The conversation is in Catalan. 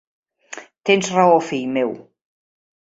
Tens raó, fill meu.